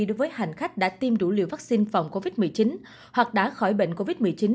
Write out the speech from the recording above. đối với hành khách đã tiêm đủ liều vaccine phòng covid một mươi chín hoặc đã khỏi bệnh covid một mươi chín